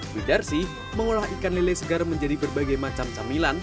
widarsi mengolah ikan lele segar menjadi berbagai macam camilan